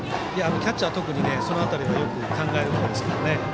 キャッチャー、特にその辺りはよく考えることですね。